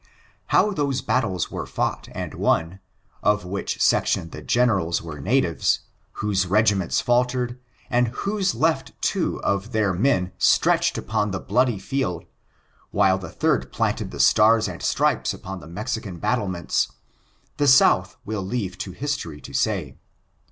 How those battles were fought and won, of which section the Generals were natives, whose regiments faltered, and whose left two of their men stretched upon the bloody field, while the third planted the stars and stripes upon the Mexican battlements. ^^^^^^^^^0^0^^^^^*^*^^^^^*^^^ 458 BTRICTtJBES 1 1 1 the South will leave to history to say.